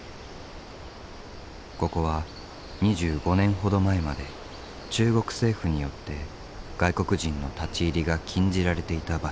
ここは２５年ほど前まで中国政府によって外国人の立ち入りが禁じられていた場所。